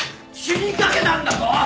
死にかけたんだぞ！